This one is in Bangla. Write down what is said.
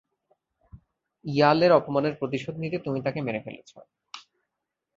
ইয়ালের অপমানের প্রতিশোধ নিতে, তুমি তাকে মেরে ফেলেছ।